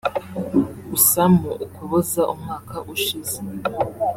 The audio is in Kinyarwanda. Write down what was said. Gusa mu Ukuboza umwaka ushize